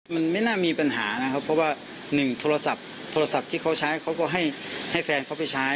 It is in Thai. มันไม่น่ามีปัญหานะครับเพราะว่าหนึ่งโทรศัพท์โทรศัพท์ที่เขาใช้เขาก็ให้แฟนเขาไปใช้